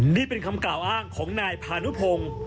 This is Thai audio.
นี่เป็นคำกล่าวอ้างของนายพานุพงศ์